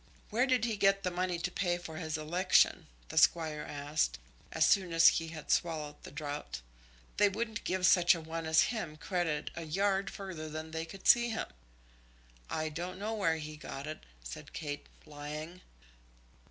"Where did he get the money to pay for his election?" the Squire asked, as soon as he had swallowed the draught. "They wouldn't give such a one as him credit a yard further than they could see him." "I don't know where he got it," said Kate, lying.